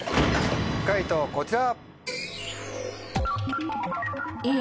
解答こちら。